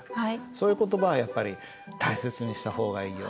そういう言葉はやっぱり大切にした方がいいよね。